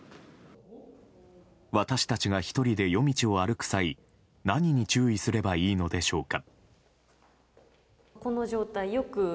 私たちが１人で夜道を歩く際何に注意すればいいのでしょうか。